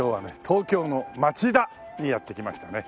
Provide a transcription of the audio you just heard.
東京の町田にやって来ましたね。